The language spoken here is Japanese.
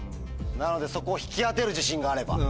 なのでそこを引き当てる自信があれば。